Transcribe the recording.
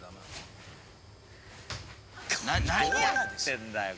何やってんだよ？